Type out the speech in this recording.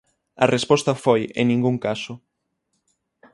A resposta foi: en ningún caso.